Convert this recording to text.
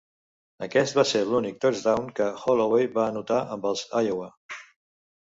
Aquest va ser l'únic "touchdown" que Holloway va anotar amb els Iowa.